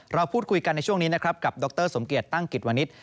เราพูดคุยกันในช่วงนี้นะครับกับดรสมเกียจตั้งกิจวนิษฐ์